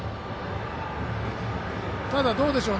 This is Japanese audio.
ただ、どうでしょう。